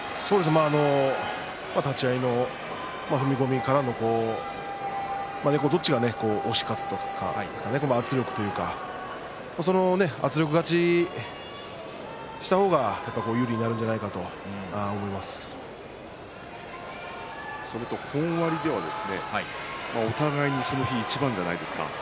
立ち合いの踏み込みからのどっちが押し勝つか、圧力というか圧力勝ちした方がやっぱり有利になるんじゃそれと本割ではお互いにその日一番じゃないですか。